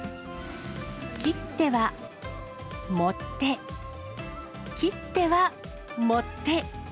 切っては盛って、切っては盛って。